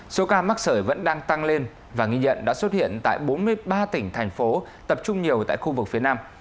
số ca mắc sởi vẫn đang tăng lên và nghi nhận đã xuất hiện tại bốn mươi ba tỉnh thành phố tập trung nhiều tại khu vực phía nam